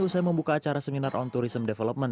usai membuka acara seminar on tourism development